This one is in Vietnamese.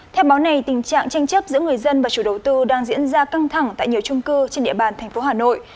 theo báo này tình trạng tranh chấp giữa người dân và chủ đầu tư đang diễn ra căng thẳng tại nhiều trung cư trên địa bàn thành phố hà nội